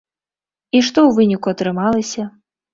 І што ў выніку атрымалася?